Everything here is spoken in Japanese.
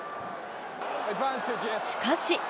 しかし。